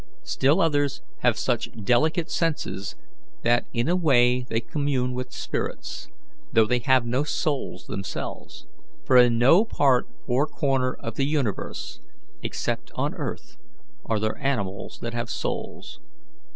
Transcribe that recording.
"Still others have such delicate senses that in a way they commune with spirits, though they have no souls themselves; for in no part or corner of the universe except on earth are there animals that have souls.